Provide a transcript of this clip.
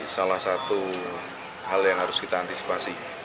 salah satu hal yang harus kita antisipasi